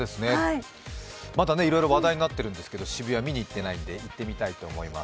またいろいろ話題になっているんですが、渋谷行ってないんで行ってみたいと思います。